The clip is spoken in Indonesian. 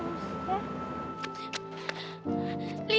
maksimal kalo beliau shutterplan